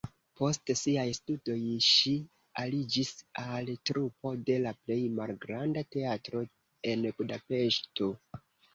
Post siaj studoj ŝi aliĝis al trupo de la plej malgranda teatro en Budapeŝto.